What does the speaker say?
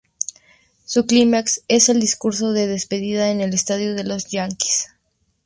Su clímax es el discurso de despedida en el estadio de los Yanquis.